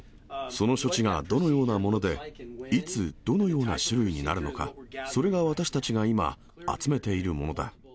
その処置がどのようなもので、いつ、どのような種類になるのか、それが私たちが今、集めているものだ。